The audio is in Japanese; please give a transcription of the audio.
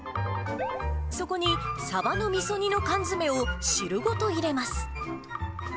そこにサバのみそ煮の缶詰を汁ごといれます。